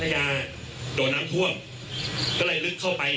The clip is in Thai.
เย้